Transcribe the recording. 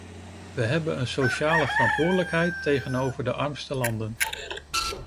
We hebben een sociale verantwoordelijkheid tegenover de armste landen.